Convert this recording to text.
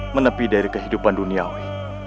menepi dari kehidupan duniawi